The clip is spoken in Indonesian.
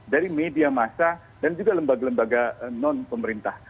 dari media massa dan juga lembaga lembaga non pemerintah